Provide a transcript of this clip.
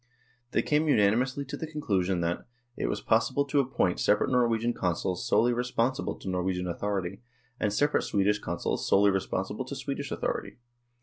They came unanimously to the conclusion that " it was possible to appoint separate Norwegian Consuls solely res ponsible to Norwegian authority, and separate Swedish Consuls solely responsible to Swedish au thority.